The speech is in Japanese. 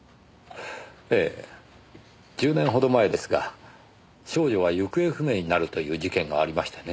ええ１０年ほど前ですが少女が行方不明になるという事件がありましてね。